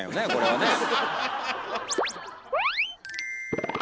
はい！